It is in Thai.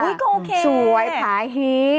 อุ้ยก็โอเคสวยพล้ายฮี